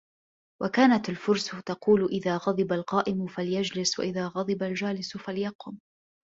وَكَانَتْ الْفُرْسُ تَقُولُ إذَا غَضِبَ الْقَائِمُ فَلْيَجْلِسْ وَإِذَا غَضِبَ الْجَالِسُ فَلْيَقُمْ